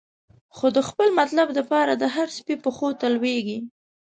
خو د خپل مطلب د پاره، د هر سپی پښو ته لویږی